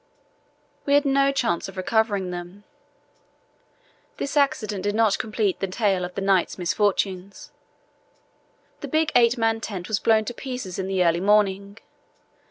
We had no chance of recovering them. This accident did not complete the tale of the night's misfortunes. The big eight man tent was blown to pieces in the early morning.